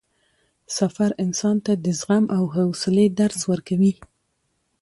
سفر انسان ته د زغم او حوصلې درس ورکوي